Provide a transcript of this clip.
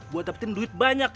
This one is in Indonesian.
gue dapetin duit banyak